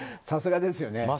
さすがですよね。